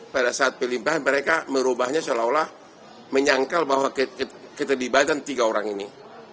pada saat pelimpahan mereka merubahnya seolah olah menyangkal bahwa keterlibatan tiga orang ini